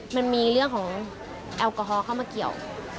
มันมีเรื่องของแอลกอฮอลเข้ามาเกี่ยว